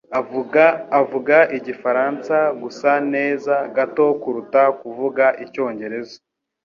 avuga igifaransa gusa neza gato kuruta kuvuga icyongereza